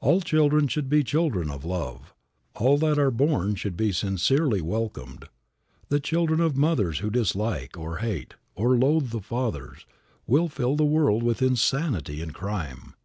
All children should be children of love. All that are born should be sincerely welcomed. The children of mothers who dislike, or hate, or loathe the fathers, will fill the world with insanity and crime.